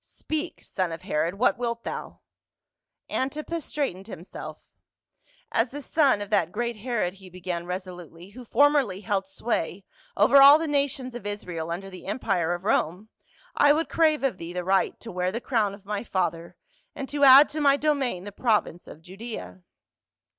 " Speak, son of Herod, what wilt thou ?" Antipas straightened himself, "As the son of that great Herod," he began resolutely, "who formerly held sway over all the nations of Israel under the em pire of Rome, I would crav^e of thee the right to wear the crown of my father, and to add to my domain the province of Judea."